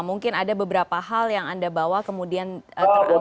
mungkin ada beberapa hal yang anda bawa kemudian terangkat